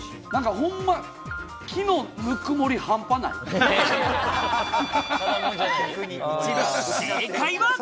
ほんま木のぬくもり、半端な正解は。